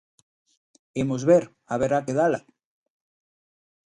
Imos ver, haberá que dala.